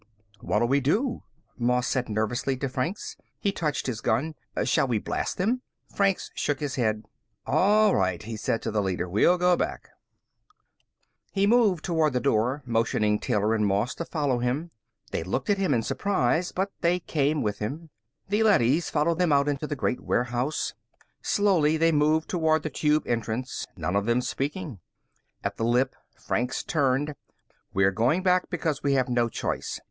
"What'll we do?" Moss said nervously to Franks. He touched his gun. "Shall we blast them?" Franks shook his head. "All right," he said to the leader. "We'll go back." He moved toward the door, motioning Taylor and Moss to follow him. They looked at him in surprise, but they came with him. The leadys followed them out into the great warehouse. Slowly they moved toward the Tube entrance, none of them speaking. At the lip, Franks turned. "We are going back because we have no choice.